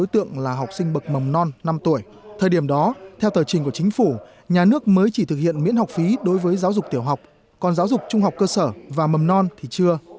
thời điểm đó theo tờ trình của chính phủ nhà nước mới chỉ thực hiện miễn học phí đối với giáo dục tiểu học còn giáo dục trung học cơ sở và mầm non thì chưa